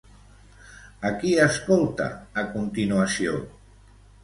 A qui escolta, a continuació?